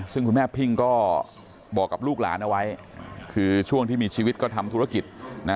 ซึ่งคุณแม่พิ่งก็บอกกับลูกหลานเอาไว้คือช่วงที่มีชีวิตก็ทำธุรกิจนะ